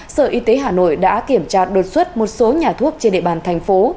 sở y tế hà nội đã kiểm tra đột xuất một số nhà thuốc trên địa bàn thành phố